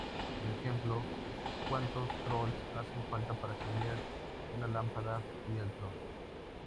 Por ejemplo: ""¿cuántos trolls hacen falta para cambiar una lámpara fieltro?"".